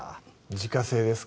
自家製ですか？